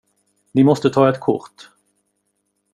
Ni måste ta ett kort.